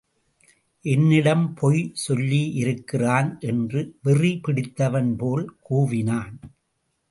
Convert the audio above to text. என்னிடம் பொய் சொல்லியிருக்கிறான் என்று வெறிபிடித்தவன் போல் கூவினான்.